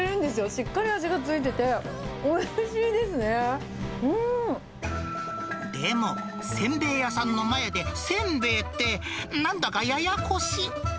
しっかり味がついてて、おいしいでも、せんべい屋さんの前でせんべいって、なんだかややこしい。